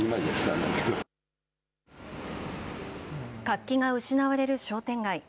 活気が失われる商店街。